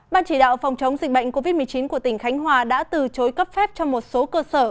ban chỉ đạo phòng chống dịch bệnh covid một mươi chín của tỉnh khánh hòa đã từ chối cấp phép cho một số cơ sở